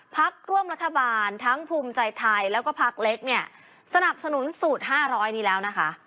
พักร่วมรัฐบาลทั้งภูมิใจไทยแล้วก็พักเล็กเนี่ยสนับสนุนสูตร๕๐๐นี้แล้วนะคะ